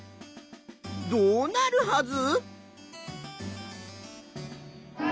どうなるはず？